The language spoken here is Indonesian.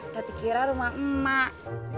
tati kira rumah emak